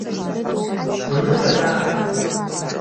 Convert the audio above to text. Уныҳәазааит!